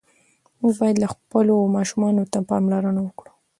موږ باید خپلو ماشومانو ته پاملرنه وکړو.